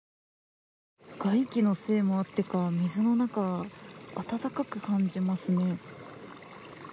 外気のせいもあってか水の中は暖かく感じますね。